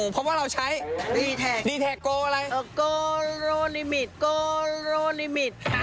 แพบนึงปี๓๐๐มันใหม่